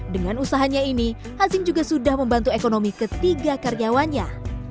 dengan usahanya ini hazim juga sudah membantu ekonomi ketiga karyawannya